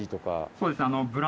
そうですね。